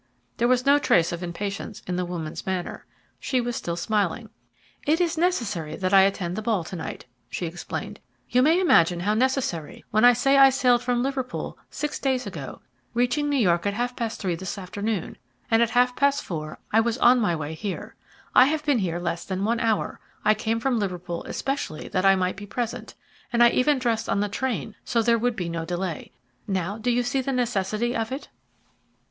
There was no trace of impatience in the woman's manner; she was still smiling. "It is necessary that I attend the ball to night," she explained, "you may imagine how necessary when I say I sailed from Liverpool six days ago, reaching New York at half past three o'clock this afternoon; and at half past four I was on my way here. I have been here less than one hour. I came from Liverpool especially that I might be present; and I even dressed on the train so there would be no delay. Now do you see the necessity of it?"